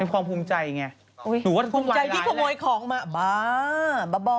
เป็นความภูมิใจไงหนูว่าต้องไว้ร้ายแหละนะภูมิใจที่ขโมยของมาบ้าบะบอ